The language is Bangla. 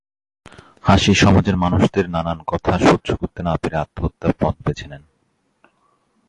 হাসি সমাজের মানুষদের নানান কথা সহ্য করতে না পেরে আত্মহত্যা পথ বেঁচে নেন।